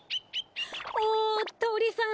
おおとりさん！